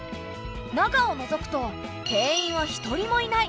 中をのぞくと店員は一人もいない。